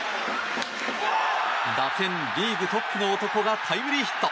打点リーグトップの男がタイムリーヒット。